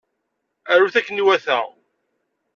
Arut akken iwata.